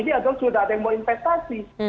bahwa ini sudah ada yang mau investasi